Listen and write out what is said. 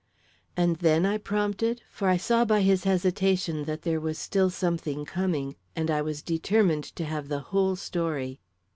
"And then?" I prompted, for I saw by his hesitation that there was still something coming, and I was determined to have the whole story.